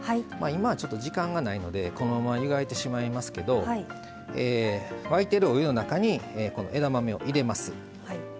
今は時間がないのでこのまま湯がいてしまいますけど沸いてるお湯の中に枝豆を入れます。